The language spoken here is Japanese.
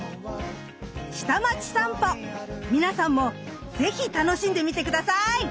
下町さんぽ皆さんも是非楽しんでみて下さい！